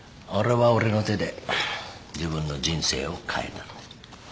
俺は俺の手で自分の人生を変えたんだ。